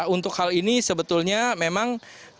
untuk hal ini sebetulnya memang